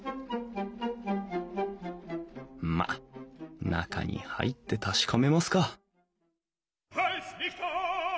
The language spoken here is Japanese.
まっ中に入って確かめますか